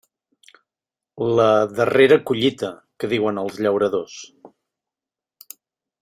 La «darrera collita» que diuen els llauradors.